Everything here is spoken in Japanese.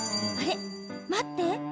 あれ、待って。